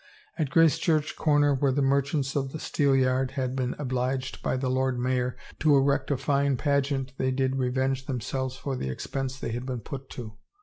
At Gracechurch corner where the merchants of the Steelyard had been obliged by the Lord Mayor to erect a fine pageant they did revenge themselves for the expense they had been put to.